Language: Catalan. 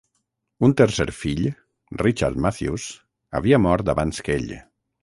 Un tercer fill, Richard Mathews, havia mort abans que ell.